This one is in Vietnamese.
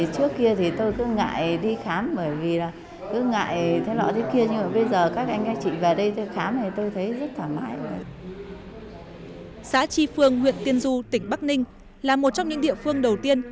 xã tri phương huyện tiên du tỉnh bắc ninh là một trong những địa phương đầu tiên